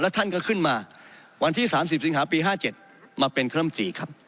และท่านก็ขึ้นมาวันที่๓๐สิบสิบหาปี๕๗มาเป็นเครื่องมันตรีครับ